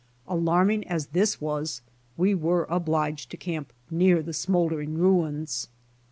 Alarming as this w^as, we were obliged to camip near the sniol dering ruins.